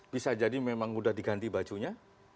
bisa jadi memang mudah diganti bajunya